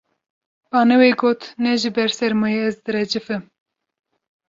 Baniwê got: Ne ji ber sermayê ez direcifim